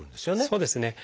そうですね。